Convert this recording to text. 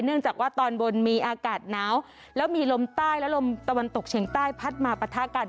เนื่องจากว่าตอนบนมีอากาศหนาวแล้วมีลมใต้และลมตะวันตกเฉียงใต้พัดมาปะทะกัน